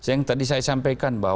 yang tadi saya sampaikan